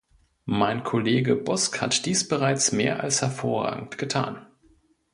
Mein Kollege Busk hat dies bereits mehr als hervorragend getan.